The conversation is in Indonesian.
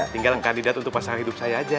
tinggal kandidat untuk pasangan hidup saya aja